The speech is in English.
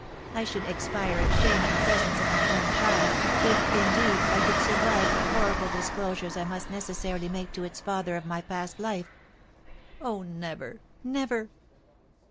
I should expire of shame in the presence of my own child, if indeed I could survive the horrible disclosures I must necessarily make to its father of my past life! Oh, never never!"